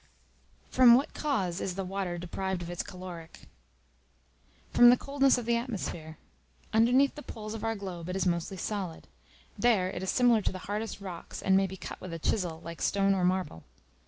From what cause is the Water deprived of its caloric? From the coldness of the atmosphere: underneath the poles of our globe it is mostly solid; there it is similar to the hardest rocks, and may be cut with a chisel, like stone or marble.